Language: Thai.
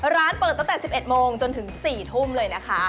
ร้านเปิดตั้งแต่๑๑โมงจนถึง๔ทุ่มเลยนะคะ